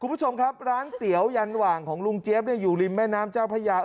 คุณผู้ชมครับร้านเตี๋ยวยันหว่างของลุงเจี๊ยบอยู่ริมแม่น้ำเจ้าพระยา